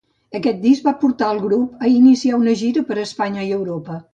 Aquest disc va portar al grup a iniciar una gira per Espanya i Europa.